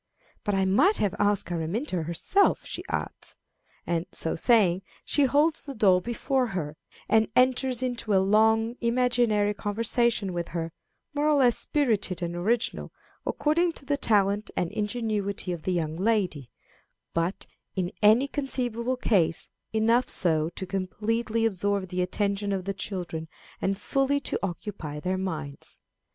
"But I might have asked Araminta herself," she adds; and, so saying, she holds the doll before her, and enters into a long imaginary conversation with her, more or less spirited and original, according to the talent and ingenuity of the young lady, but, in any conceivable case, enough so to completely absorb the attention of the children and fully to occupy their minds.